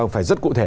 phải rất cụ thể